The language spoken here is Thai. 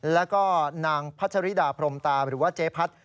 แล้วก็นางพัชริดาพรมตาหรือว่าเจ๊พัด